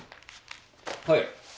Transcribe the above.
はい。